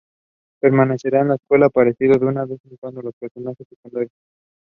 The Canadian Anglican missionary work in Japan was unknown to most Canadians.